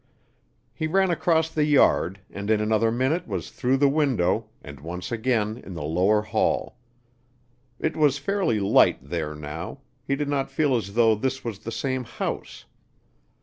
He ran across the yard and in another minute was through the window and once again in the lower hall. It was fairly light there now; he did not feel as though this was the same house.